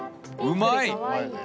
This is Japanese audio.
うまいね。